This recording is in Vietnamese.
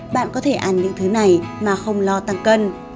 bạn có thể ăn những thứ này mà không lo tăng cân